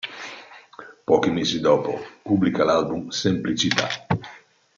Pochi mesi dopo, pubblica l'album "Semplicità".